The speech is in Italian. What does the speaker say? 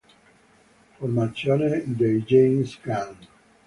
Formazione dei James Gang